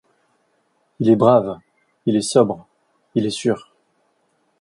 Il est brave, il est sobre, il est sûr.